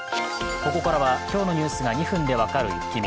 ここからは今日のニュースが２分で分かるイッキ見。